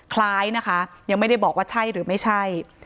คล้ายนะคะยังไม่ได้บอกว่าใช่หรือไม่ใช่